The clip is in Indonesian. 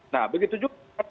nah begitu juga